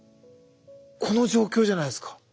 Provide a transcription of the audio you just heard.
この状況じゃないですか。